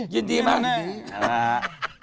ยินดีมาก